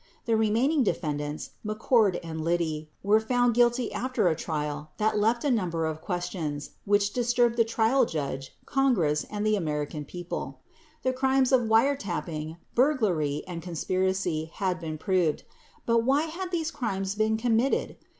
14 The remaining defendants — McCord and Liddy — were found guilty 15 after a trial that left a number of ques tions which disturbed the trial judge, Congress and the American people. The crimes of Wiretapping, burglary and conspiracy had been proved. But, why had these crimes been committed